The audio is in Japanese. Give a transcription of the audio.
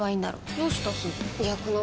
どうしたすず？